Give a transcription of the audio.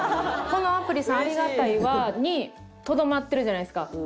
「このアプリさんありがたいわ」にとどまってるじゃないですか。